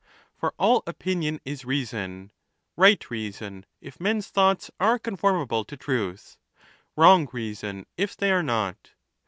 For ^1 opinion is reason : right reason, if men's thoughts are conforma ble to truth ; wrong reason, if they are not.